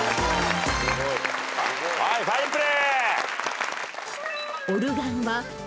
はいファインプレー。